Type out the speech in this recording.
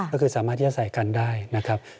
ก็คือสามารถที่จะใส่กันได้นะครับ